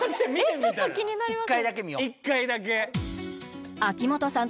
ちょっと気になります